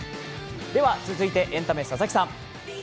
では続いてエンタメ、佐々木さん。